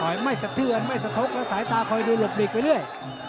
ไม่สะเทือนไม่สะทกแล้วสายตาคอยดูหลบหลีกไปเรื่อย